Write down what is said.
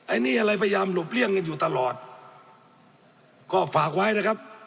อันนี้อะไรพยายามหลบเลี่ยงกันอยู่ตลอดก็ฝากไว้นะครับ